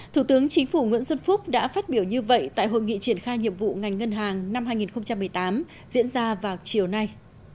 thủ tướng chính phủ nguyễn xuân phúc đã phát biểu như vậy tại hội nghị triển khai nhiệm vụ ngành ngân hàng năm hai nghìn một mươi tám diễn ra vào chiều nay